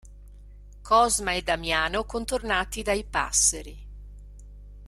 Cosma e Damiano contornati dai passeri.